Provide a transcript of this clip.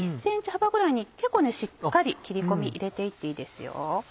１ｃｍ幅ぐらいに結構しっかり切り込み入れて行っていいですよ。